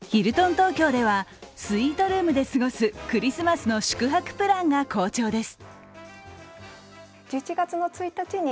東京ではスイートルームで過ごすクリスマスの宿泊プランが好調です。